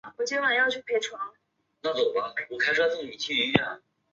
因此车轮在经过每个颠簸之前都须被重置惯性。